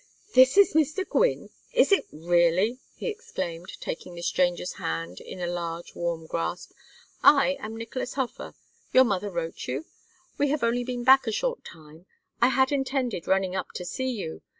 "This is Mr. Gwynne! Is it really?" he exclaimed, taking the stranger's hand in a large warm grasp. "I am Nicolas Hofer. Your mother wrote you? We have only been back a short time I had intended running up to see you.